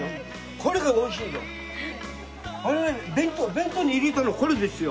あのね弁当に入れたのこれですよ。